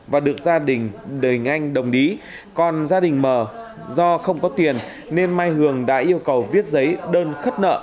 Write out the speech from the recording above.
và được gia đình đời nganh đồng ý còn gia đình mờ do không có tiền nên mai hường đã yêu cầu viết giấy đơn khất nợ